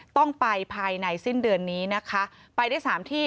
ต้องไปภายในสิ้นเดือนนี้ไปได้๓ที่